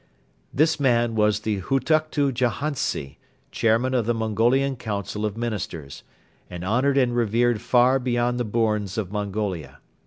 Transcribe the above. This man was the Hutuktu Jahantsi, Chairman of the Mongolian Council of Ministers, and honored and revered far beyond the bournes of Mongolia.